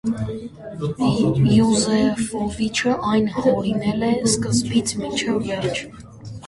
Յուզեֆովիչը այն հորինել է սկզբիչ մինչև վերջ։